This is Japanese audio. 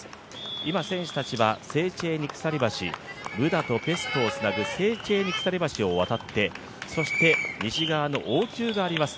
今選手たちはセーチェーニ鎖橋、ブダとペストをつなぐセーチェーニ鎖橋を渡って、そして西側の王宮があります